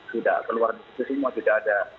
tidak keluar di situ semua tidak ada